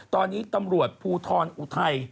ตอนนี้ตำรวจภูทรอุทัย